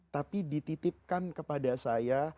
tapi dititipkan kepada saya